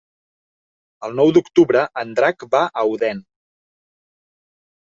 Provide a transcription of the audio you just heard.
El nou d'octubre en Drac va a Odèn.